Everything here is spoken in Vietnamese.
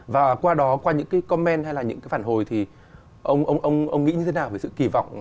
và qua đó qua những cái commen hay là những cái phản hồi thì ông ông nghĩ như thế nào về sự kỳ vọng